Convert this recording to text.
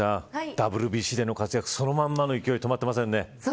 ＷＢＣでの活躍、そのままの勢い止まってませんね。